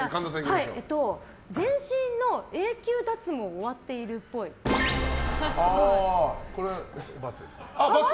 全身の永久脱毛終わっているっぽい。×です。